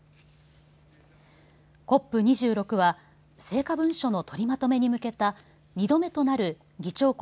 ＣＯＰ２６は成果文書の取りまとめに向けた２度目となる議長国